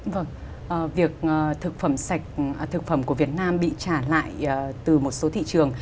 vâng việc thực phẩm sạch thực phẩm của việt nam bị trả lại từ một số thị trường